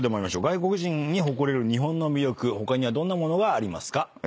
外国人に誇れる日本の魅力他にはどんなものがありますか？